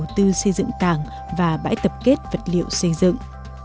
từ xây dựng cảng và bãi tập kết vật liệu xây dựng